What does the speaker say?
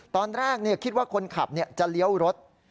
ตอนแรกคิดว่าคนขับจะเลี้ยวรถ